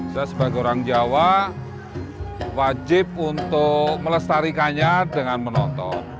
saya sebagai orang jawa wajib untuk melestarikannya dengan menonton